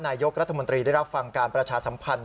นายกรัฐมนตรีได้รับฟังการประชาสัมพันธ์